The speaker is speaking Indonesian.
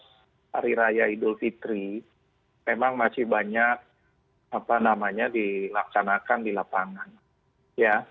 hari raya idul fitri memang masih banyak apa namanya dilaksanakan di lapangan ya